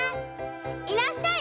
「いらっしゃい。